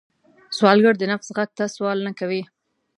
سوالګر د نفس غږ ته سوال نه کوي